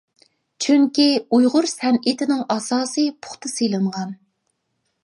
چۈنكى ئۇيغۇر سەنئىتىنىڭ ئاساسىي پۇختا سېلىنغان.